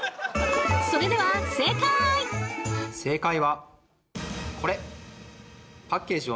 それでは正解！